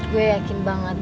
gue yakin banget